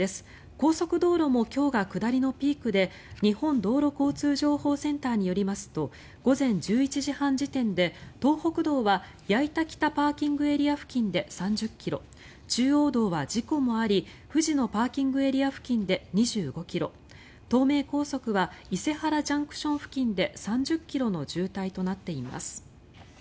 高速道路も今日が下りのピークで日本道路交通情報センターによりますと午前１１時半時点で東北道は矢板北ＰＡ付近で３０ｋｍ中央道は事故もあり藤野ＰＡ付近で２５ｋｍ東名高速は伊勢原ＪＣＴ付近で３０ｋｍの渋滞となっています。